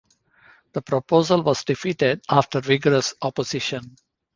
The proposal was defeated after vigorous opposition.